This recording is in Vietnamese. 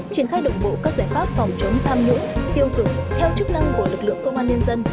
triển khai đồng bộ các giải pháp phòng chống tham nhũng tiêu cực theo chức năng của lực lượng công an nhân dân